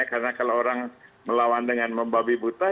karena kalau orang melawan dengan membabi buta